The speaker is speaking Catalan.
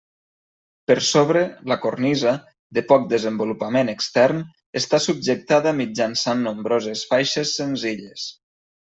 Per sobre, la cornisa, de poc desenvolupament extern, està subjectada mitjançant nombroses faixes senzilles.